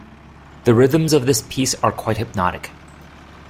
The rhythms of this piece are quite hypnotic